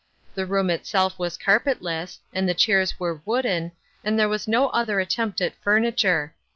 The room itself was earpetless, and the chairs were wooden, and there was no other uttempt at furniture.